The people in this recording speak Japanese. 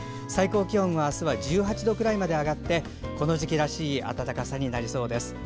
最高気温は、あすは１８度くらいまで上がってこの時期らしい暖かさになりそうです。